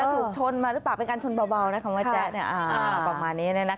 ถูกชนมาหรือเปล่าเป็นการชนเบานะความว่าแจ๊ะแบบแบบนี้เนี่ยนะคะ